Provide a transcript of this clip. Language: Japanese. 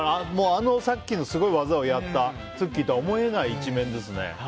あのさっきの技をやったＴｓｕｋｋｉとは思えない一面ですね。